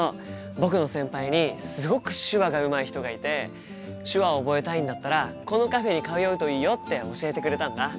僕の先輩にすごく手話がうまい人がいて手話を覚えたいんだったらこのカフェに通うといいよって教えてくれたんだ。